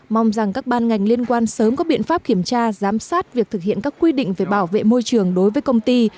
mong rằng các ban ngành liên quan sớm có biện pháp kiểm tra giám sát việc thực hiện các quy định về bảo vệ môi trường đối với công ty